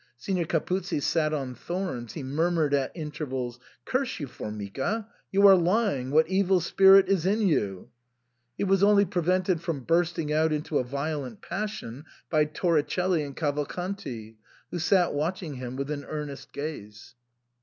Signor Capuzzi sat on thorns ; he murmured at intervals, " Curse you, Formica ! You are lying ! What evil spirit is in you ?" He was only prevented from bursting out into a violent passion by Toricelli and Cavalcanti, who sat watching him with an earnest gaze.